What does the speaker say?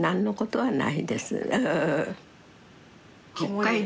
はい。